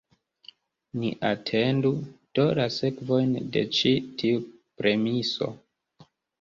Ni atendu, do, la sekvojn de ĉi tiu premiso.